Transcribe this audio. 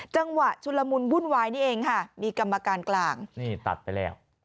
จังหวะชุนละมุนวุ่นวายนี่เองค่ะมีกรรมการกลางนี่ตัดไปแล้ว